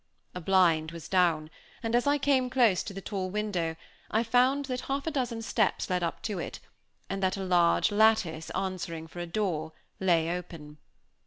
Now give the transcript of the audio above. A blind was down; and as I came close to the tall window, I found that half a dozen steps led up to it, and that a large lattice, answering for a door, lay open.